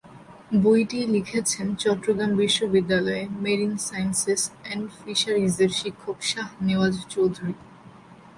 বইটি লিখেছেন চট্টগ্রাম বিশ্ববিদ্যালয়ের মেরিন সায়েন্সেস অ্যান্ড ফিশারিজের শিক্ষক শাহ নেওয়াজ চৌধুরী।